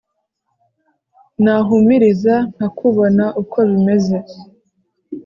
nahumiriza nkakubona uko bimeze